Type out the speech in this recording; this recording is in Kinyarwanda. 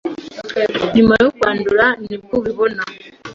nyuma yo kwandura nibwo ubibona